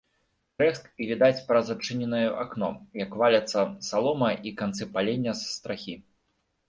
Трэск, і відаць праз адчыненае акно, як валяцца салома і канцы палення з страхі.